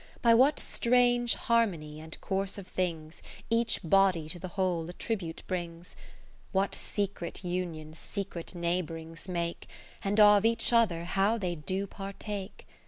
By what strange harmony and course of things Each body to the whole a tribute brings; What secret unions secret neigh bourings make, And of each other how they do par take.